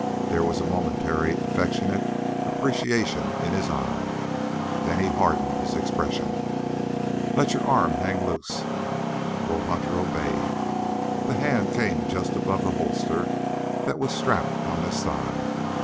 There was a momentary affectionate appreciation in his eye. Then he hardened his expression. "Let your arm hang loose." Bull Hunter obeyed. The hand came just above the holster that was strapped on his thigh.